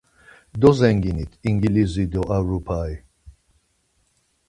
Dozenginit İnglisi do Avropa